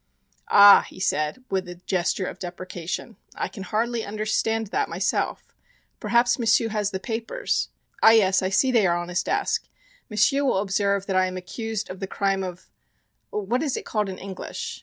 "Ah," he said with a gesture of deprecation, "I can hardly understand that myself. Perhaps M'sieu' has the papers? Ah, yes, I see they are on his desk. M'sieu' will observe that I am accused of the crime of what is it called in English?